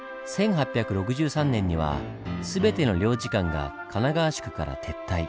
１８６３年には全ての領事館が神奈川宿から撤退。